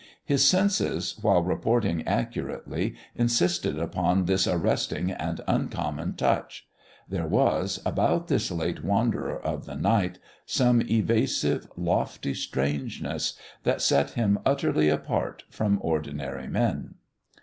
His senses, while reporting accurately, insisted upon this arresting and uncommon touch: there was, about this late wanderer of the night, some evasive, lofty strangeness that set him utterly apart from ordinary men.